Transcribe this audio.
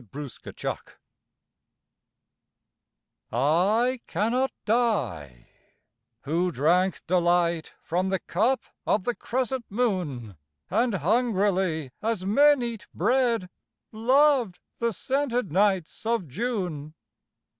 The Wine I cannot die, who drank delight From the cup of the crescent moon, And hungrily as men eat bread, Loved the scented nights of June.